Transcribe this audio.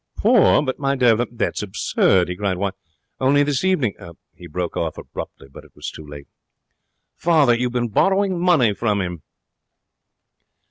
'Poor? But, my dear, that's absurd!' he cried. 'Why, only this evening ' He broke off abruptly, but it was too late. 'Father, you've been borrowing money from him!'